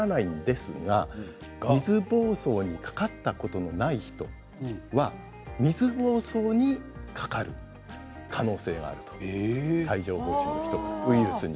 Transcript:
ただ水ぼうそうにかかったことがない人は水ぼうそうにかかる可能性があると帯状ほう疹の人からウイルスで。